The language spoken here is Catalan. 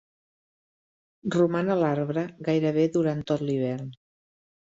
Roman a l'arbre gairebé durant tot l'hivern.